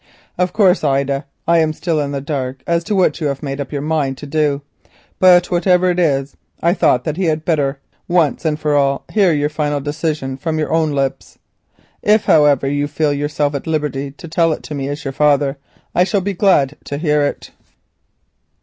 Of course, Ida, I am still in the dark as to what you have made up your mind to do, but whatever it is I thought that he had better once and for all hear your final decision from your own lips. If, however, you feel yourself at liberty to tell it to me as your father, I shall be glad to hear it."